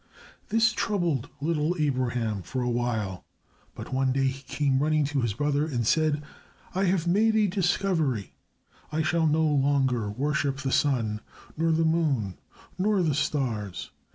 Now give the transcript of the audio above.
This troubled little Abraham for a while, but one day he came running to his brother and said, "I have made a discovery. I shall no longer worship the sun, nor the moon, nor the stars.